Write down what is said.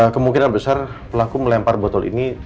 kemungkinan besar pelaku melempar botol ini